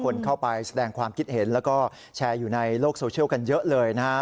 คนเข้าไปแสดงความคิดเห็นแล้วก็แชร์อยู่ในโลกโซเชียลกันเยอะเลยนะฮะ